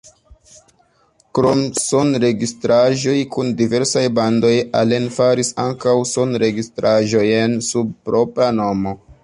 Krom sonregistraĵoj kun diversaj bandoj Allen faris ankaŭ sonregistraĵojn sub propra nomo.